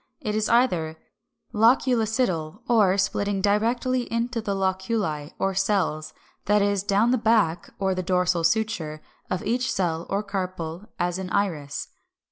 It is either Loculicidal, or, splitting directly into the loculi or cells, that is, down the back (or the dorsal suture) of each cell or carpel, as in Iris (Fig.